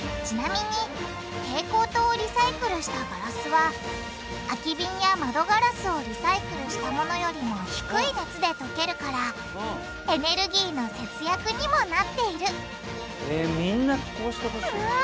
ちなみに蛍光灯をリサイクルしたガラスは空き瓶や窓ガラスをリサイクルしたものよりも低い熱で溶けるからエネルギーの節約にもなっているみんなこうしてほしい。